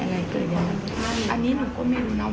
และก็จะรับความจริงของตัวเอง